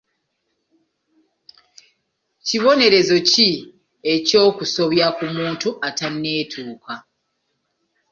Kibonerezo ki eky'okusobya ku muntu atanneetuuka?